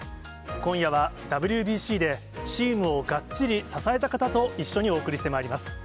今夜は、ＷＢＣでチームをがっちり支えた方と一緒にお送りしてまいります。